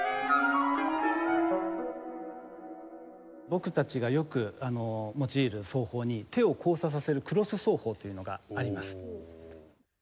僕たちがよく用いる奏法に手を交差させるクロス奏法というのがあります。